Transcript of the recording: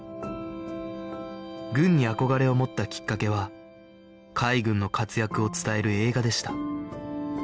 軍に憧れを持ったきっかけは海軍の活躍を伝える映画でした